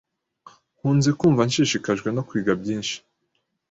Nkunze kumva nshishikajwe no kwiga byinshi.